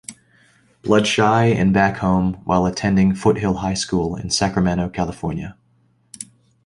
Bloodshy" and "Backhome" while attending Foothill High School in Sacramento, California.